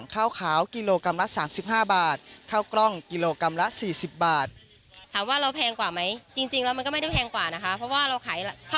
ข้าวขาวกิโลกรัมละ๓๕บาท